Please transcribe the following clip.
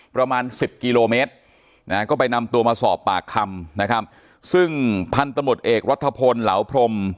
ประมาณสิบกิโลเมตรนะฮะก็ไปนำตัวมาสอบปากคำนะครับซึ่งพันธมตเอกรัฐพลเหลาพรม